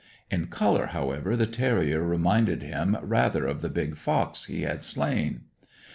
In colour, however, the terrier reminded him rather of the big fox he had slain.